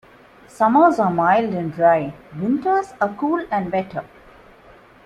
Summers are mild and dry, winters are cool and wetter.